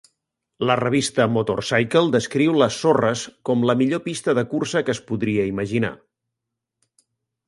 La revista "Motor Cycle" descriu les sorres com "la millor pista de cursa que es podria imaginar".